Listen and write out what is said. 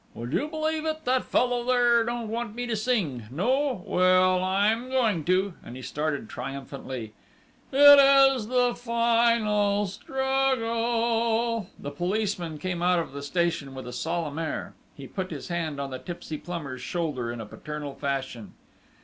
"Would you believe it that fellow there don't want me to sing!... No! Well, I'm going to!" and he started triumphantly. "It is the the final ... strug gle!" A policeman came out of the station with a solemn air. He put his hand on the tipsy plumber's shoulder in paternal fashion.